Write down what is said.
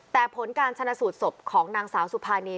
แต่ผลการชนะสูตรศพของนางสาวสุภานี